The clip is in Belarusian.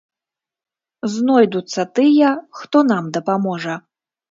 Знойдуцца тыя, хто нам дапаможа.